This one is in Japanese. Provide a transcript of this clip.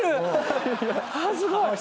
すごい！